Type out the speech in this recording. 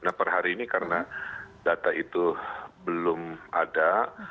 nah per hari ini karena data itu belum ada